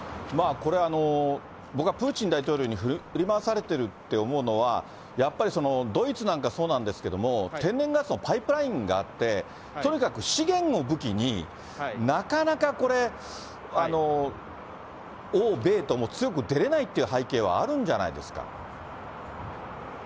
これ、僕はプーチン大統領に振り回されているって思うのは、やっぱりドイツなんかそうなんですけど、天然ガスのパイプラインがあって、とにかく資源を武器に、なかなかこれ、欧米とも強く出れないっていう背景はあるんじゃないですか。